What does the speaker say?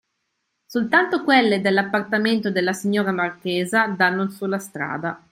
Soltanto quelle dell'appartamento della signora marchesa danno sulla strada.